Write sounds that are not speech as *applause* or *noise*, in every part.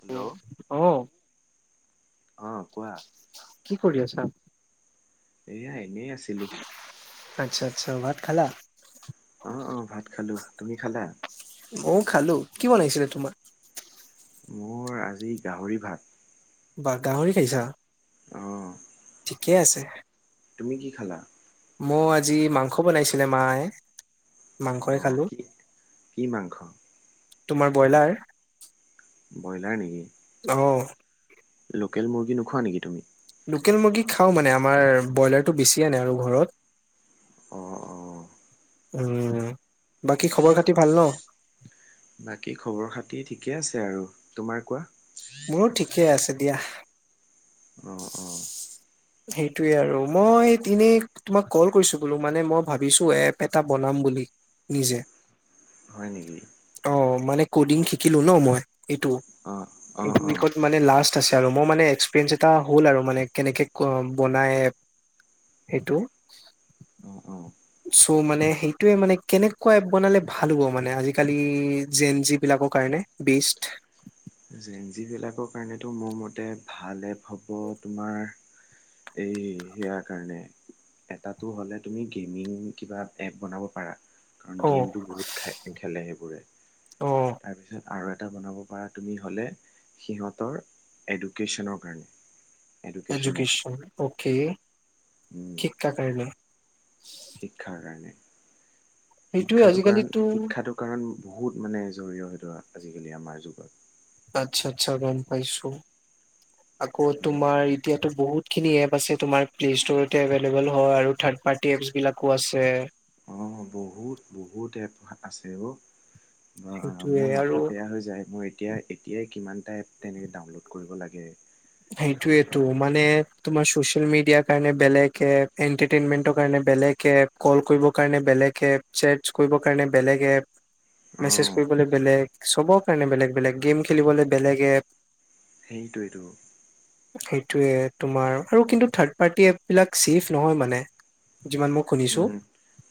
Hello *unintelligible* অ অ কোৱা কি কৰি আছা? এয়া এনেই আছিলো। আচ্ছা আচ্ছা ভাট খালা, অ অ ভাত খালো তুমি খালা? মইও খালো। কি' বনাইছিলে তোমাৰ? মোৰ, আজি গাহৰি ভাত। বা' গাহৰি খাইছা। অ ঠিকে আছে। তুমি কি' খালা? মই আজি মাংস বনাইছিলে, মায়ে। মাংসই অঁ, খালো কি' কি মাংস? তোমাৰ ব্ৰইলাৰ। ব্ৰইলাৰ নেকি? অঁহ। লোকেল মুৰ্গী নোখোৱা নেকি, তুমি? লোকেল মুৰ্গী খাওঁ মানে, আমাৰ ব্ৰইলাৰটো বেছিয়ে আনে আৰু ঘৰত। অঁ, অঁ। উম, বাকী খবৰ- খাতী বাকী' খবৰ খাতি ঠিকে- ঠিকে আছে আৰু তোমাৰ কোৱা? মোৰো ঠিকে আছে দিয়া। অহ, অহ। সেইটোৱে আৰু মই এনেই তোমাক কল কৰিছো বোলো, মানে মই ভাবিছো এপ এটা বনাম বুলি' নিজে। হয়, নেকি। অ মানে ক'ডিং শিকিলো ন' মই। এইটো, অ অ এইটো অ ইকত মানে, লাষ্ট- আৰু, মোৰ মানে এক্সপিৰিয়েঞ্চ এটা হ'ল আৰু, মানে কেনেকে- কৈ বনাই সেইটো? অঁ, অঁ। চ' মানে সেইটোৱে মানে, কেনেকুৱা এপ বনালে ভাল হ'ব মানে, আজিকালি যেন, জোন বিলাকৰ কাৰণে বেষ্ট? যেন, যি বিলাকৰ কাৰণে টো মোৰ মতে ভালে এপ হ'ব, তোমাৰ এই সেয়াৰ কাৰণে, এটা টো হ'লে তুমি গেমিং কিবা, এপ বনাব পাৰা। কাৰণ' অ গেমটো বহুত খেলে সেইবোৰে। অ তাৰপিছত- আৰু এটা বনাব পাৰা- তুমি হ'লে সিহঁতৰ এডুকেশ্যনৰ কাৰণে, এডুকেশ্যন, অকে। উম ঠিক *unintelligible* কাৰণে শিক্ষাৰ কাৰণে সেইটোয়ে শিক্ষাটো কাৰণ আজিকালিতো শিক্ষাটো কাৰণ বহুত মানে জৰিয় সেইটো আজিকালি আমাৰ যুগত আচ্ছা আচ্ছা ৰন পাইছো আকৌ হ'লে তোমাৰ এতিয়াতো বহুত খিনি এপ আছে তোমাৰ প্লে ষ্টৰতে এভেইলেবল হয় আৰু থাৰ্ড পাৰ্টি এপছ বিলাকো আছে অ বহুত বহুত এপ আছে অ সেইটোয়ে মোৰ আৰু মাঠা বেয়া হৈ য়ায মোৰ এতিয়া এতিয়াই কিমানটা এপ এনেই ডাউনলোড কৰিব লাগে সেইটোৱেটো মানে তোমাৰ ছচিয়েল মিডিয়াৰ কাৰণে বেলেগ এপ, এটাৰটেইনমেন্টৰ কাৰণে বেলেগ এপ, কল কৰিবৰ কাৰণে বেলেগ এপ, চেটচ কৰিবৰ কাৰণে বেলেগ এপ, মেছেজ অ' কৰিবৰ কাৰণে বেলেগ চবৰ কাৰণে বেলেগ বেলেগ, গেম খেলিবলৈ বেলেগ এপ সেইটোৱে টো সেইটোৱে তোমাৰ আৰু কিন্তু থাৰ্ড পাৰ্টি এপ বিলাক ছেফ নহয় মানে যিমান মই শুনিছো উম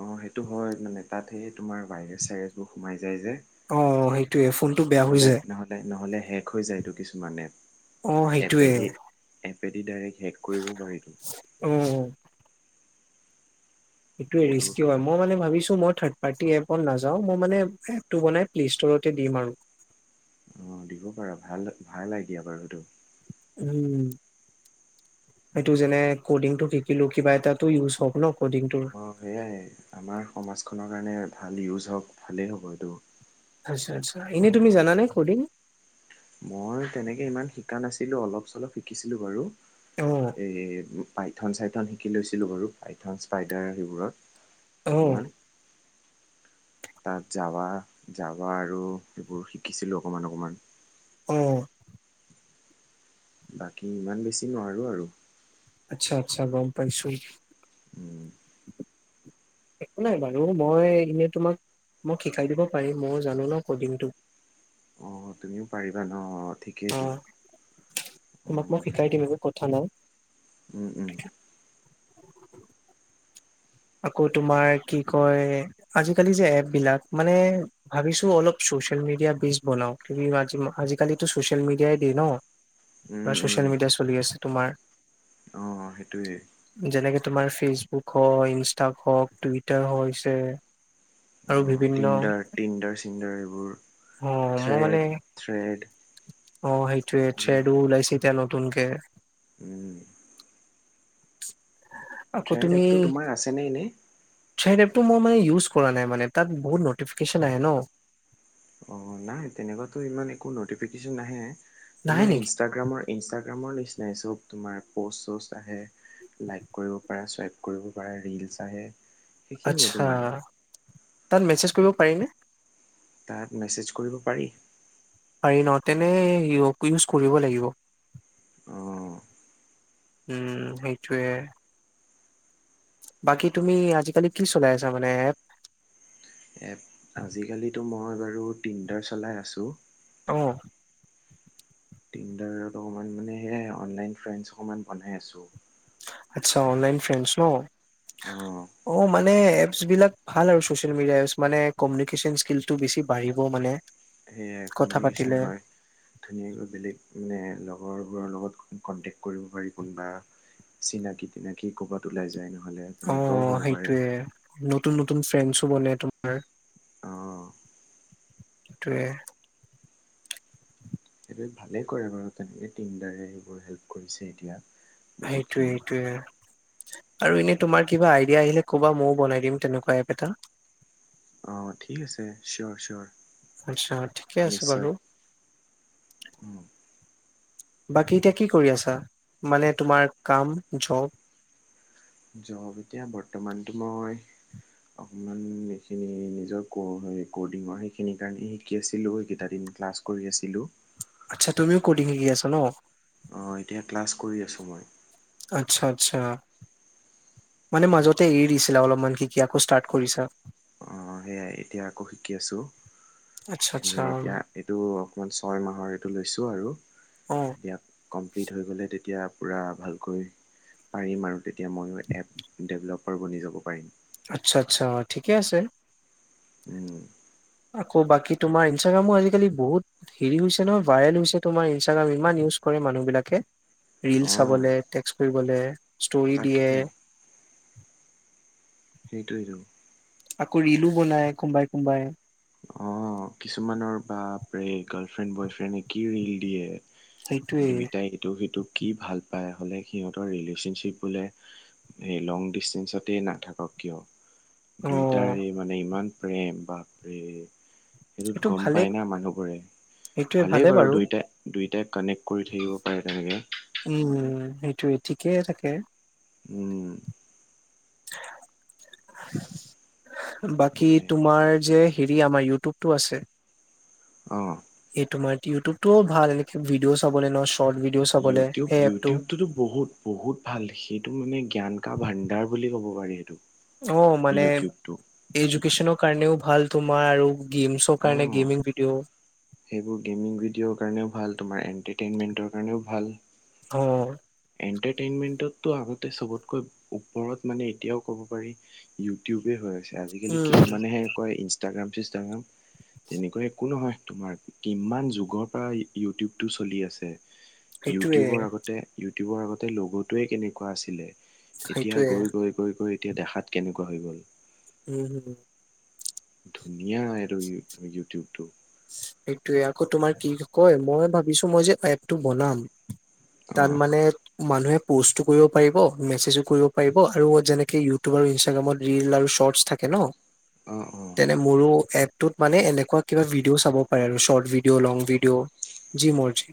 অ সেইটো হয় মানে তাত সেই তোমাৰ ভাইৰেছে ছাইৰেছ টো সোমাই যে যে অ সেইটোয়ে ফোনটো বেয়া হৈ নহলে যায় নহলে নহলে হেক হৈ যায়টো কিছুমান এপ অ সেইটোৱে পেদি ডৰেক শেষ কৰিব পাৰিতো অ সেইটোৱে ৰিস্কি হয় মই মানে ভাবিছো মই থাৰ্ড পাৰ্টি এপত নাযাও মই মানে এপটো বনাই প্লে-ষ্টৰতে দিম আৰু অ দিব পাৰা ভাল ভাল আইদিয়া বাৰু এটো উ এইটো যেনে কডিং টো শিকিলো কিবা এটাটো ইউজ হক ন কডিংটো অঁ সেয়াই আমাৰ সমাজখনৰ কাৰণে ভাল ইউজ হওক ভালেই হ'ব এইটো আচ্ছা আচ্ছা এনেই তুমি জানে কৰ্ডিং মই তেনেকে ইমান শিকা নাছিলো অলপ চলপ শিকিছিলো বাৰু অ' এই পাইথন চাইথন শিকি লৈছিলোঁ বাৰু পাইথন স্পাইডাৰ সেইবোৰত অ' অকণমান তাত যাবা যাবা আৰু এইবোৰ শিকিছিলো অকমান অকমান অ বাকী ইমান বেছি নোৱাৰো আৰু আচ্ছা আচ্ছা গম পাইছো একো নাই বাৰু মই এনেই তোমাক মোক শিকাই দিব পাৰিম মই জানো ন কডিংটো অ তুমিও পাৰিবা ন ঠিকেইতো অ' তোমাক মই অঁ শিকাই দিম একো কথা নাই আকৌ তোমাৰ কি কয় আজিকালি যে এপ বিলাক মানে ভাবিছো অলপ চচিয়েল মিডিয়া বেচ বনাও আজিকালি চচিয়েল মিডিয়াই দেই ন বা ছচিয়েল মিডিয়া চলি আছে তোমাৰ অ', অ' সেইটোৱেই। যেনেকে তোমাৰ ফেচবুক হয় ইনষ্টাক হওক টুইটাৰ হৈছে। আৰু অ' বিভিন্ন টিন্ডাৰ টিন্ডাৰ চিন্ডাৰ এই অ *unintelligible* মই মানে থ্ৰেড থ্ৰেড অ সেই ট্ৰেড এয়া। থ্ৰেড ও ওলাইছে এতিয়া ন নতুনকে উম আকৌ ট্ৰেড তুমি এপটো তোমাৰ আছেনে নে এনে এটো মই মানে ইউচ কৰা নাই মানে তাত বহুত নটিফিকেচন আহে ন। অ' নাই, তেনেকুৱাতো ইমান একো নটিফিকেশ্যন নাহে। নাহে তোমাৰ নেকি ইনষ্টাগ্ৰামৰ ইনষ্টাগ্ৰামৰ নিচিনাই চব। তোমাৰ প'চ চচ আহে। লাইক কৰিব পাৰা স্বাইপ কৰিব পাৰে। ৰিলচ আহে। সেইখিনিয়ে আচছা তোমাৰ তাত মেচেজ কৰিব পাৰিনে? তাক মেছেজ কৰিব পাৰি। পাৰি ন। তেনে ইউক-ইউজ কৰিব লাগিব। অ' উম সেইটোয়ে। বাকী তুমি আজিকালি কি চলাই আছা মানে এপ এপ আজিকালিতো মই বাৰু তিন্দাৰ চলাই আছো। অ তিনদাৰত অকণমান মানে সেয়াই অনলাইন ফ্ৰেন্ডছ অকণমান বনাই আছোঁ। আচ্ছা অনলাইন ফ্ৰেণ্ডছ ন। অ' অ' মানে ইউচ বিলাক ভাল আৰু চচিয়েল মিডিয়া ইউচ্ মানে কমিউনিকেশ্যন স্কিলটো বেছি বাঢ়িব মানে। সেয়ে কথা কমিউনিকেশ্যন পাতিলে হয়। ধুনীয়াকৈ বেলেগ মানে লগৰবোৰৰ লগত কনটেক্ট কৰিব পাৰি কোনোবা চিনাকি তিনাকি ক'ৰবাত ওলাই যায় ন। অ', অ' সেইটোয়ে নতুন নতুন ফ্ৰেন্ডছ *unintelligible* অ এটোৱে সেইটোৱে ভালে কৰে বাৰু তেনেকে টিন্দাৰে সেইবোৰ হেল্প কৰিছে এতিয়া। সেইটোৱে বহুতখিনি। সেইটোৱে আৰু এনে তোমাৰ কিবা আইডিয়া আহিলে ক'বা। ময়ো বনাই দিম তেনেকুৱা এপ এটা। অঁ ঠিক আছে চিয়'ৰ আচ্ছা ঠিকে চিয়'ৰ আছে বাৰু নিশ্চয় ও। বাকী এতিয়া কি কৰি আছা মানে তোমাৰ কাম জব। জব এতিয়া বৰ্তমানতো মই অকণমান এইখিনি নিজৰ ক-ক'ৰ্ডিঙৰ সেইখিনিৰ কাৰণে শিকি আছিলোঁ এইকেইটা দিন ক্লাছ কৰি আছিলোঁ। আচ্ছা তুমিও ক'ৰ্ডিঙ শিকি আছ ন। অ এতিয়া ক্লাছ কৰি আছো মই। আচ্ছা-আচ্ছা মানে মাজতে এৰি দিছিলা অলপমান কি কি আকৌ ষ্টাৰ্ট কৰিছা। অ সেয়াই এতিয়া আকৌ শিকি আছোঁ আচ্ছা এ আচ্ছা এতিয়া এইটো অকণমান ছয় মাহৰ এইটো লৈছোঁ আৰু অ ইয়াক কমপ্লিট হৈ গ'লে তেতিয়া- পূৰা ভালকৈ পাৰিম আৰু। তেতিয়া ময়ো এপ ডেভেলপ- অ ভনী যাব পাৰিম। আচ্ছা আচ্ছা ঠিকে আছে। উম। আকৌ বাকী তোমাৰ ইনষ্টাগ্ৰামো আজিকালি বহুত হেৰি হৈছে নহয় ভাইৰেল হৈছে তোমাৰ ইনষ্টাগ্ৰাম ইমান ইউজ কৰে মানুহ বিলাকে। ৰিল অঁ চাবলে দে। ইউজ কৰিবলে- ষ্টৰী তাকেই দিয়ে- সেইটোৱেই যাওঁ। আকৌ ৰিলো বনাই কোনোবাই-কোনোবাই। অ কিছুমানৰ বাপৰেই গাৰ্ল ফ্ৰেণ্ড বয় ফ্ৰেণ্ডে কি ৰিল দিয়ে। সেইটোয়ে দুইটাই এইটো সিটো কি ভাল- পায় হ'লে সিহঁতৰ ৰিলেশ্যনশ্বিপ বোলে সেই লং ডিচষ্টেঞ্চতেই নাথাকক কিয়। অ দুইটাৰে এই মানে ইমান- প্ৰেম বা - এই- সেইটোত এইটো গম ভালে পাই না মানুহবোৰে সেইটোয়ে ভালেই ভালে বাৰু দুইটাই-দুইটাই- কানেক্ট। কৰি থাকিব পাৰে তেনেকে। টো ঠিকেই থাকে। উম। বাকী সেয়াই তোমাৰ যে- হেৰি আমাৰ ইউটিউবটো আছে। অ এইটো মাৰ- ইউটিবটোও ভাল ভিডিঅ' চাবলৈ নোচ- ইউটিউব- ইউটিউবটোতো বহুত-বহুত ভাল সেইটো মানে জ্ঞান কা ভাণ্ডাৰ বুলি ক'ব- পোৱাৰ সেইটো। অ মানে ইউটিউবটো এডুকেশ্বন ন কাৰণেও- ভাল তোমাৰ আৰু? গেমছৰ অ কাৰণে গেমিং ভিডিঅ' সেইবোৰ গেমিং ভিডিঅ'ৰ কাৰণেও ভাল তোমাৰ এণ্টাৰটেইনমেণ্টৰ কাৰণেও ভাল। অ এণ্টাৰটেইনমেণ্টততো আহোঁতে চবতকৈ ওপৰত মানে এতিয়াও ক'ব পাৰি ইউটিউব। সেইটোৱেই হৈ আছে আজিকালি উম কিছুমানেহে কয় ইনষ্ট ইষ্টাগ্ৰাম ফিষ্টাগ্ৰাম তেনেকুৱা একো নহয় তোমাৰ কিমান যুগৰ পৰা ইউটিউবটো চলি আছে। সেইটোয়ে ইউটিউবৰ আগতে। ইউটিউবৰ আগতে লগ'টোৱেই কেনেকুৱা আছিলে এতিয়া সেইটোয়ে গৈ গৈ গৈ গৈ এতিয়া দেখাত কেনেকুৱা হৈ গ'ল উম হম ধুনীয়া এইটো ইউ - ইউটিউবটো। সেইটোয়ে আকৌ তোমাৰ কি কয় মই ভাবিছো মই যে এপটো বনাম। তাত অ', মানে, মানুহে পষ্টো কৰিব পাৰিব, মেছেজো কৰিব পাৰিব, আৰু যেনেকে ইউটিউব আৰু ইনষ্টাগ্ৰামত ৰিল আৰু ছৰ্টছ থাকে ন! অ', অ', তেনে মোৰো এক তোত মানে এনেকুৱা কিবা ভিদ ভিডিঅ'ও চাব পাৰে আৰু ছৰ্ট ভিডিঅ' লং ভিডিঅ' যি মৰ্জি।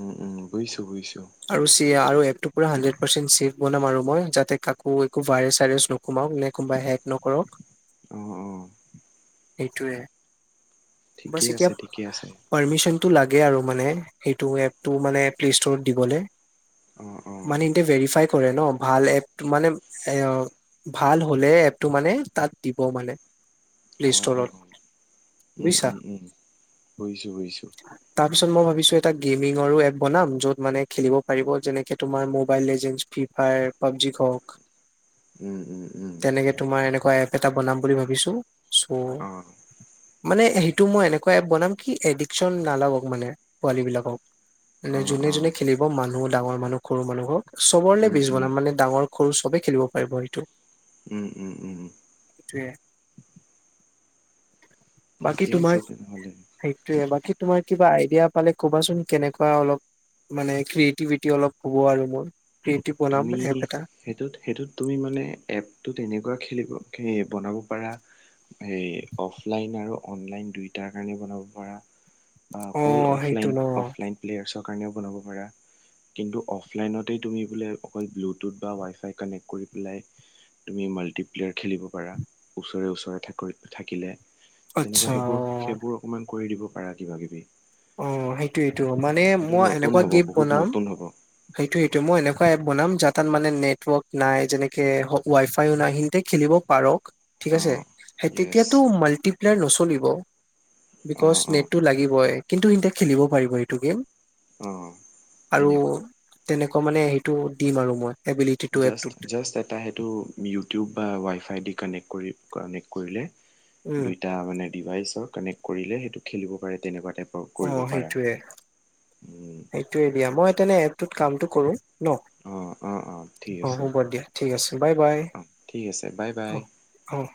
উম, উম, বুজিছো বুজিছো আৰু চিয়া আৰু এপটো পোৰা হাণ্ড্ৰেড পাৰ্চেন্ট চেফ। বনাম আৰু মই যাতে কাকো একো ভাইৰেছ চাইৰেছ নুকোমাওক নে কোনোবাই হেক নকৰক। অ অ। এইটোৱে। বাছ ঠিকেই এতিয়া, আছে ঠিকেই আছে পাৰ্মিশ্বন। তোক লাগে আৰু মানে সেইটো এপটো মানে প্লেষ্টৰত দিবলে। অ', অ', মানে এটে ভেৰিফাই কৰে ন, ভাল এপ মানে এ ভাল হলে এপটো মানে তাত দিব মানে। প্লে'ষ্টৰত। উ-উ-উ বুইছো বুইছোঁ। তাৰপিছত মই ভাবিছো এটা গেমিংৰো এপ বনাম য'ত মানে খেলিব পাৰিব যেনেকে তোমাৰ মোবাইল লেজে ফ্ৰী ফায়াৰ পাবজিক হওক উম, উম, উম, তেনেকে তোমাৰ এনেকুৱা এক। এটা বনাম বুলি ভাবিছো। ছ' অ', মানে সেইটো মই এনেকুৱা এপ বনাম কি এডিকশ্বন নালাগক মানে, পোৱালী বিলাকক। মানে অ', যুনে যুনে অ', খেলিব মান বহু ডাঙৰ মানুহ সৰু মানুহক চবৰলে উম, বীজ বনাম উম, মানে ডাঙৰ সৰু চবেই খেলিব পাৰিব সেইটো উম-উম-উম-উম ইটোৱে বাকী ঠিকে আছে তোমাৰ তেনেহ'লে সেইটোৱে বাকী তোমাৰ কিবা আইডিয়া পালে ক'বাচোন কেনেকুৱা অলপ মানে ক্ৰিয়েটিভিটি অলপ হ'ব আৰু মোৰ ক্ৰিয়েটিভ বনাম তুমি এপ এটা সেইটোত - সেইটোত তুমি মানে এপটোত এনেকুৱা খেলিব খিনি বনাব পাৰা হেই অফলাইন আৰু অনলাইন দুইটাৰ কাৰণে বনাব পাৰা বা অ অকল সেইটো অফলাইন ন - অফলাইন প্লেয়াৰছক কাৰণেও বনাব পাৰা কিন্তু অফলাইনতেই তুমি বোলে অকল ব্লুটুথ বা ৱাইফাই কানেক্ট কৰি পেলাই তুমি মাল্টিপ্লেয়াৰ খেলিব পাৰা ওচৰে ওচৰে থাক ঐ থাকিলে আচ্ছা তেনেকুৱা অ সেইবোৰ- সেইবোৰ অকমান কৰি দিব পাৰা কিবা কিবি অ সেইটোৱে টো মানে সেইটো মই নতুন এনেকুৱা হ'ব গিফ্ট বহুত বনাম নতুন হ'ব সেইটো সেইটো মই এনেকুৱা এপ বনাম যা তাত মানে নেটৱৰ্ক নাই যেনেকে হক ৱাই ফাইও নাই হিংতে খেলিব পাৰক। ঠিক আছে অঁ সেই য়েছ তেতিয়াতো মাল্টিপ্লেয়াৰ নচলিব বিকজ অঁ অঁ নেটটো লাগিবই কিন্তু *inaudible* খেলিব পাৰিব এইটো গেম অ আৰু তেনেকুৱা তেনেকুৱা মানে সেইটো দিম আৰু মই এবিলিটিটো এপটোত জাষ্ট- জাষ্ট এটা সেইটো ইউটিউব বা ৱাইফাই ডি কানেক্ট কৰি কানেক্ট কৰিলে উম দুইটা মানে ডিভাইচৰ কানেক্ট কৰিলে সেইটো খেলিব পাৰে তেনেকুৱা টাইপ অ সেইটোৱে উম, - সেইটোৱে দিয়া মই তেনে টোত কামটো কৰো ন অ', অ', অ', ঠিক অঁ আছে হ'ব দিয়া ঠিক আছে বাই-বাই অ', ঠিক আছে বাই অঁ বাই। - অঁ